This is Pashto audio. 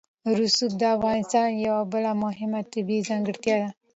رسوب د افغانستان یوه بله مهمه طبیعي ځانګړتیا ده.